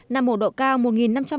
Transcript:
nằm một độ cao